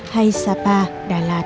hay sapa đà lạt